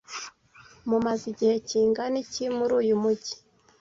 Mumaze igihe kingana iki muri uyu mujyi?